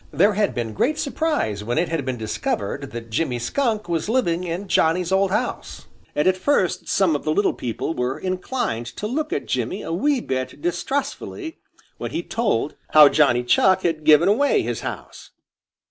There had been great surprise when it had been discovered that Jimmy Skunk was living in Johnny's old house, and at first some of the little meadow people were inclined to look at Jimmy a wee bit distrustfully when he told how Johnny Chuck had given away his house.